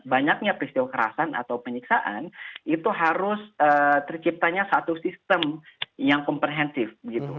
jadi ada perakasan atau peristiwa kerasan atau penyiksaan itu harus terciptanya satu sistem yang komprehensif